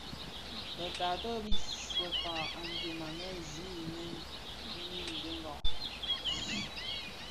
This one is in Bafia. Bë taato bis bekpag adyèm annë zi i niň niñdènga.